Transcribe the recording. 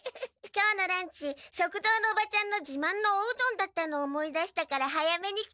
今日のランチ食堂のおばちゃんのじまんのおうどんだったのを思い出したから早めに来たの。